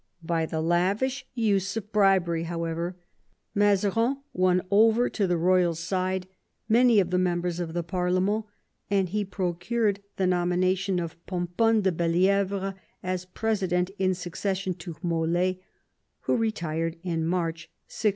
By the lavish use of bribery, however, Mazarin won over to the royal side many of the members of the parlemerU, and he procured the nomination of Pomponne de Belli^vre as president in succession to Mole, who retired in March 1653.